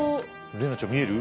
怜奈ちゃん見える？